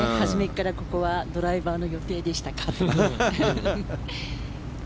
初めからここはドライバーの予定でしたかと。